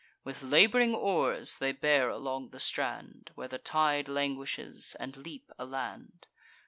With lab'ring oars they bear along the strand, Where the tide languishes, and leap a land.